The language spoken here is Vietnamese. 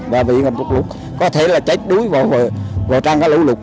và bị ngập lụt có thể là cháy đuối vào trang cá lũ lụt